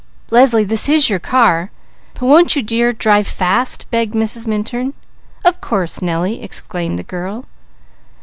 "Leslie, this is your car, but won't you dear, drive fast!" begged Mrs. Minturn. "Of course Nellie!" exclaimed the girl.